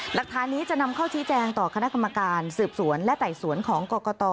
หลักฐานนี้จะนำเข้าชี้แจงต่อคณะกรรมการสืบสวนและไต่สวนของกรกต